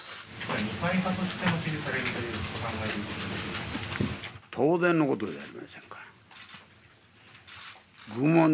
二階派としても支持されるというお考えでよろしいでしょうか当然のことじゃありませんか。